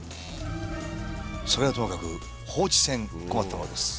それはともかく放置船困ったものです。